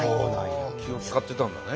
気を遣ってたんだね